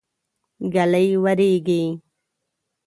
ږلۍ وريږي.